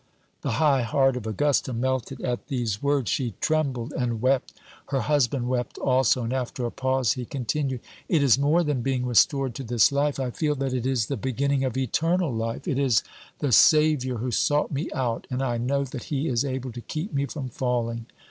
The high heart of Augusta melted at these words. She trembled and wept. Her husband wept also, and after a pause he continued, "It is more than being restored to this life I feel that it is the beginning of eternal life. It is the Savior who sought me out, and I know that he is able to keep me from falling."